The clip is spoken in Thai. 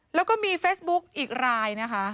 แล้วก็มีเฟซบุ๊กอีกรายนะคะ